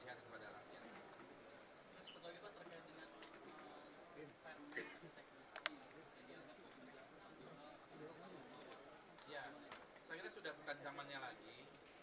saya kira sudah bukan zamannya lagi